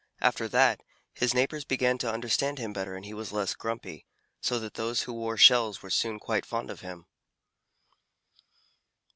After that his neighbors began to understand him better and he was less grumpy, so that those who wore shells were soon quite fond of him.